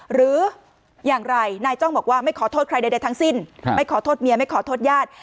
หรืออย่างไรนายจ้องบอกว่าไม่ขอโทษใครใดทั้งสิ้นไม่ขอโทษเมียไม่ขอโทษญาติ